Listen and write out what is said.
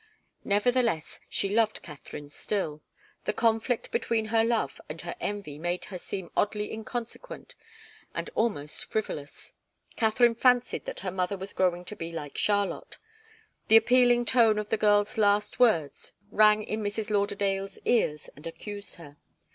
Nevertheless she loved Katharine still. The conflict between her love and her envy made her seem oddly inconsequent and almost frivolous. Katharine fancied that her mother was growing to be like Charlotte. The appealing tone of the girl's last words rang in Mrs. Lauderdale's ears and accused her.